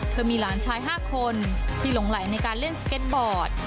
เธอมีหลานชาย๕คนที่หลงไหลในการเล่นสเก็ตบอร์ด